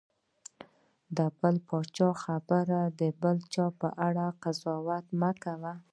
د بل چا په خبرو د یو چا په اړه قضاوت مه کوه.